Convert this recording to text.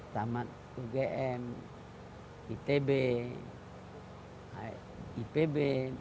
selama ugm itb ipb